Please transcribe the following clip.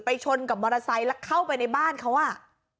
ชนกับมอเตอร์ไซค์แล้วเข้าไปในบ้านเขาอ่ะ